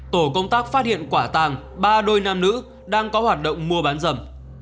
tổ công tác phát hiện quả tàng ba đôi nam nữ đang có hoạt động mua bán rầm